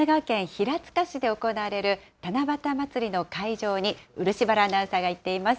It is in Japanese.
神奈川県平塚市で行われる七夕まつりの会場に、漆原アナウンサーが行っています。